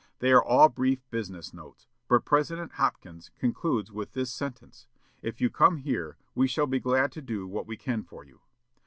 They are all brief business notes; but President Hopkins concludes with this sentence: 'If you come here, we shall be glad to do what we can for you.'